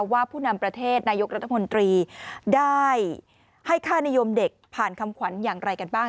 ผู้นำประเทศนายกรัฐมนตรีได้ให้ค่านิยมเด็กผ่านคำขวัญอย่างไรกันบ้าง